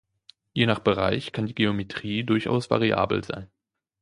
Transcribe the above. Je nach Bereich kann die Geometrie durchaus variabel sein.